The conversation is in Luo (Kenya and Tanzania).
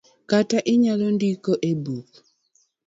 kata inyalo ndike e buge